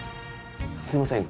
すいません。